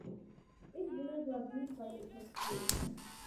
Each village was led by a "captain".